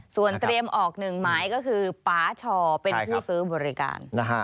ส่วนเตรียมออกหนึ่งหมายก็คือป๊าชอเป็นผู้ซื้อบริการ